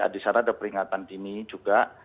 di sana ada peringatan dini juga